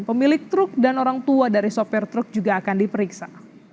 pemilik truk dan orang tua dari sopir truk juga akan diperiksa